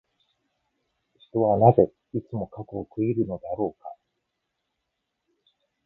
人はなぜ、いつも過去を悔いるのだろうか。